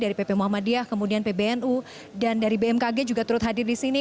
dari pp muhammadiyah kemudian pbnu dan dari bmkg juga turut hadir di sini